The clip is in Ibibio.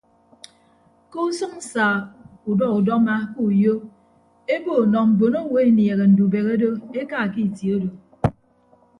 Ke usʌñ sa udọ udọma ke uyo ebo nọ mbonowo enieehe ndubehe do eka ke itie odo.